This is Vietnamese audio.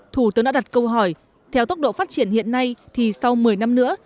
thủ tướng đã đặt câu hỏi theo tốc độ phát triển hiện nay thì sau một mươi năm nữa